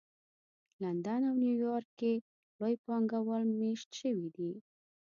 لندن او نیویارک کې لوی پانګه وال مېشت شوي دي